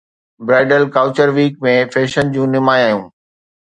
bridal couture week ۾ fashion جون نمايانون